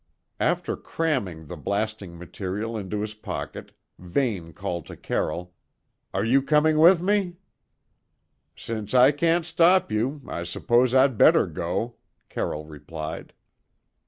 After cramming the blasting material into his pocket, Vane called to Carroll: "Are you coming with me?" "Since I can't stop you, I suppose I'd better go," Carroll replied.